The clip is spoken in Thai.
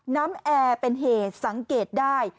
น้ำแอเป็นเหตุสังเกตได้